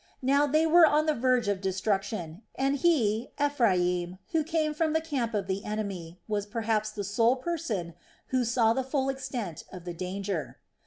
Now they were on the verge of destruction, and he, Ephraim, who came from the camp of the enemy, was perhaps the sole person who saw the full extent of the danger.